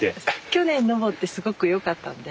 去年登ってすごくよかったんで。